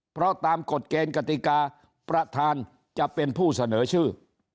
เพราะตามกฎเกณฑ์กติกาประธานจะเป็นผู้เสนอชื่อ